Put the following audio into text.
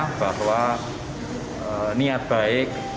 kementerian sosial memiliki peran penting dalam pengawasan pengumpulan uang dan barang